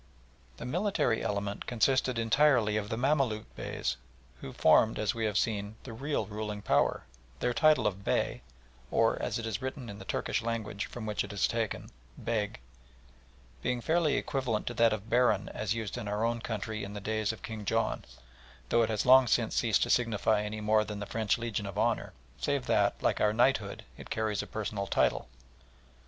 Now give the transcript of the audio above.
The military element consisted entirely of the Mamaluk Beys, who formed, as we have seen, the real ruling power, their title of Bey or, as it is written in the Turkish language from which it is taken, Beg being fairly equivalent to that of Baron as used in our own country in the days of King John, though it has long since ceased to signify any more than the French Legion of Honour, save that, like our Knighthood, it carries a personal title.